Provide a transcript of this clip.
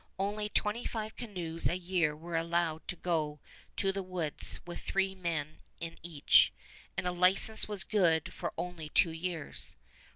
Only twenty five canoes a year were allowed to go to the woods with three men in each, and a license was good for only two years.